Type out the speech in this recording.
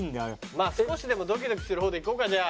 まあ少しでもドキドキする方でいこうかじゃあ。